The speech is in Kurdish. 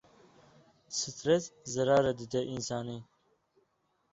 Stres zerarê dide însanî.